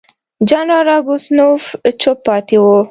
جنرال راسګونوف چوپ پاتې وو.